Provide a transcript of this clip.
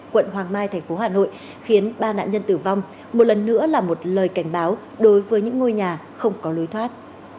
quận hoàng mai thành phố hà nội khiến ba nạn nhân tử vong một lần nữa là một lời cảnh báo đối với những ngôi nhà không có lối thoát